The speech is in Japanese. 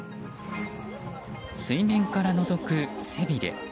水面からのぞく背びれ。